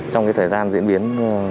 trong thời gian diễn biến